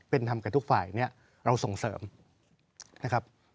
เป็นธรรมกับทุกฝ่ายเนี่ยเราส่งเสริมนะครับ